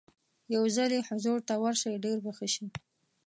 یو ځل یې حضور ته ورشئ ډېر به ښه شي.